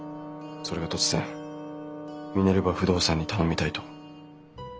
それが突然ミネルヴァ不動産に頼みたいと。